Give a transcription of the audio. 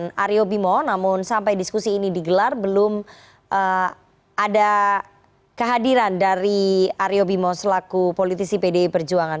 dan aryo bimo namun sampai diskusi ini digelar belum ada kehadiran dari aryo bimo selaku politisi pdi perjuangan